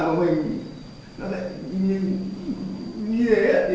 tôi xin chọn lại